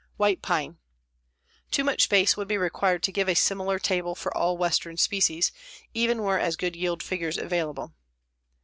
WHITE PINE Too much space would be required to give a similar table for all western species, even were as good yield figures available.